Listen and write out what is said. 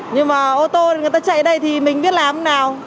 nhưng mà ô tô người ta chạy đây thì mình biết làm nào